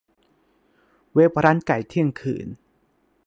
เว็บร้านไก่เที่ยงคืน